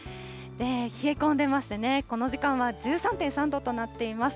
冷え込んでましてね、この時間は１３．３度となっています。